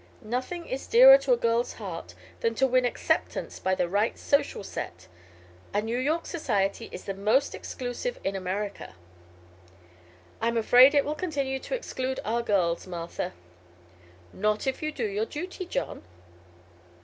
Nothing is dearer to a girl's heart than to win acceptance by the right social set. And New York society is the most exclusive in America." "I'm afraid it will continue to exclude our girls, Martha." "Not if you do your duty, John."